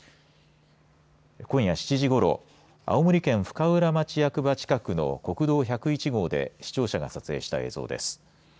今夜７時ごろ青森県深浦町役場近くの国道１０１号で視聴者が撮影した映像です。